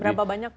berapa banyak pak